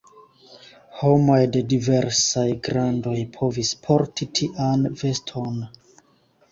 Homoj de diversaj grandoj povis porti tian veston.